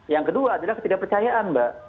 yang kedua adalah ketidakpercayaan mbak